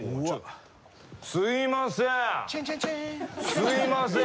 すいません！